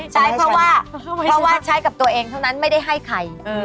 ใช้เพราะว่าเพราะว่าใช้กับตัวเองเท่านั้นไม่ได้ให้ใคร